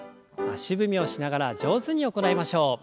足踏みをしながら上手に行いましょう。